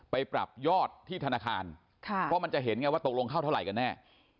ไปปรับยอดที่ธนาคารเพราะมันจะเห็นไงว่าตกลงเข้าเท่าไหร่กันแน่